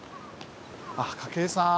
あ筧さん。